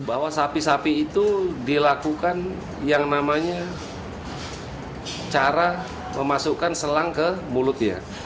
bahwa sapi sapi itu dilakukan yang namanya cara memasukkan selang ke mulutnya